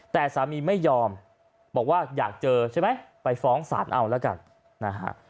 แต่สามีไม่ยอมบอกว่าอยากเจอใช่ไหมไปฟ้องศาลเอาแล้วกันนะฮะ